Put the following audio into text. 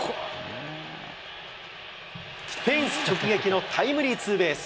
フェンス直撃のタイムリーツーベース。